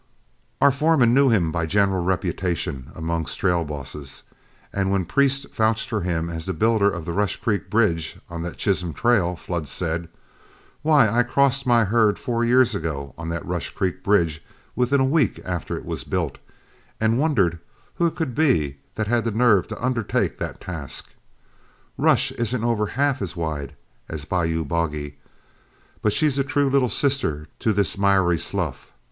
Our foreman knew him by general reputation amongst trail bosses, and when Priest vouched for him as the builder of the Rush Creek bridge on the Chisholm trail, Flood said, "Why, I crossed my herd four years ago on that Rush Creek bridge within a week after it was built, and wondered who it could be that had the nerve to undertake that task. Rush isn't over half as wide a bayou as Boggy, but she's a true little sister to this miry slough.